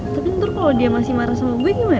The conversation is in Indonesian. tapi ntar kalau dia masih marah sama gue gimana